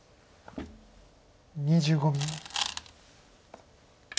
２５秒。